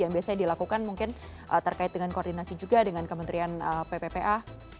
yang biasanya dilakukan mungkin terkait dengan koordinasi juga dengan kementerian pppa